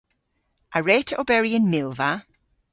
A wre'ta oberi yn milva?